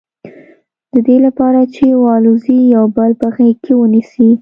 د دې لپاره چې والوزي یو بل په غېږ کې ونیسي.